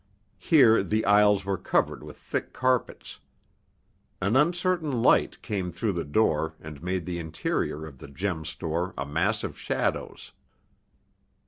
Here the aisles were covered with thick carpets. An uncertain light came through the door and made the interior of the gem store a mass of shadows.